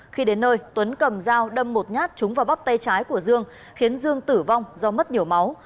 khi đến nơi tuấn cầm dao đâm một nhát trúng vào bóc tay trái của dương khiến dương tử vong do mất nhiều máu